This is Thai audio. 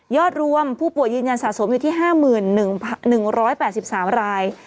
รวมผู้ป่วยยืนยันสะสมอยู่ที่๕๑๘๓ราย